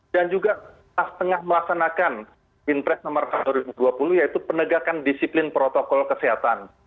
juga tengah melaksanakan pinpres nomor tahun dua ribu dua puluh yaitu penegakan disiplin protokol kesehatan